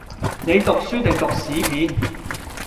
你讀書定讀屎片？